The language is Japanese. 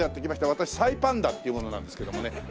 私サイパンだ！っていう者なんですけどもね。